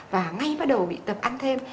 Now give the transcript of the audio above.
và ngay bắt đầu bị tập ăn thêm